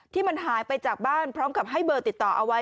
ที่มันหายไปจากบ้านพร้อมกับให้เบอร์ติดต่อเอาไว้